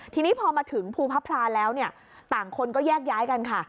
ทีนี้พอมาถึงภูพระพลาแล้วเนี่ยต่างคนก็แยกย้ายกันค่ะ